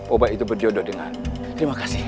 obat itu berjodoh denganmu